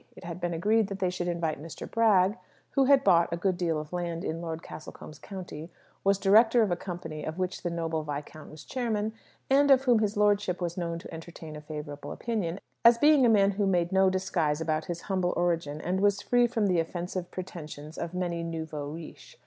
It had been agreed that they should invite Mr. Bragg, who had bought a good deal of land in Lord Castlecombe's county, was director of a company of which the noble viscount was chairman, and of whom his lordship was known to entertain a favourable opinion, as being a man who made no disguise about his humble origin, and was free from the offensive pretensions of many nouveaux riches.